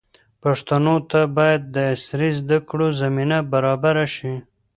پښتنو ته باید د عصري زده کړو زمینه برابره شي.